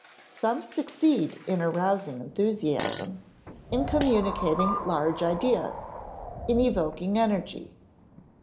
Some succeed in arousing enthusiasm, in communicating large ideas, in evoking energy.